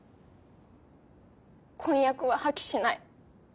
婚約は破棄しない。